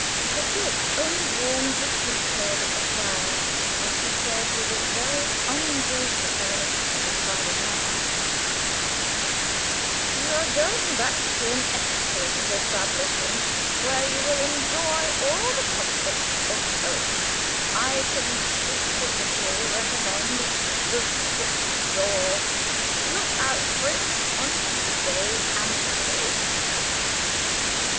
But Dick only warmed his coat tails at the fire as he said, with a very ungenerous reminiscence of his father's manner: "You are going back to an excellent establishment, where you will enjoy all the comforts of home I can specially recommend the stickjaw; look out for it on Tuesdays and Fridays.